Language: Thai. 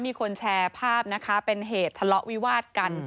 มีคนแชร์ภาพนะคะเป็นเหตุทะเลาะวิวาดกัน